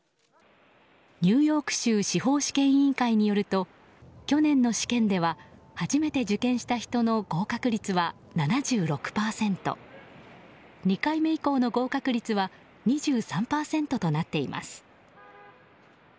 ニューヨーク州司法試験委員会によると去年の試験では初めて受験した人の合格率は７６％２回目以降の合格率は２３％となっています。